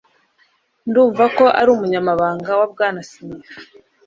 Ndumva ko ari umunyamabanga wa Bwana Smith